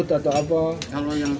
ternyata tersangka berusaha melarikan diri